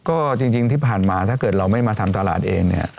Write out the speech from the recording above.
ก็จริงที่ผ่านมาถ้าเกิดเราไม่มาทำตลาดเองเนี่ย